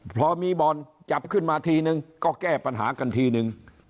พอมีบ่อนจับขึ้นมาทีนึงก็แก้ปัญหากันทีนึง